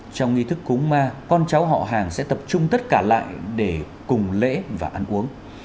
trong nghi thức cúng ma con cháu họ hàng sẽ tập trung tất cả lại để cùng lễ và ăn uống